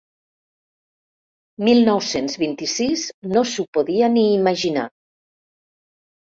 Mil nou-cents vint-i-sis no s'ho podia ni imaginar.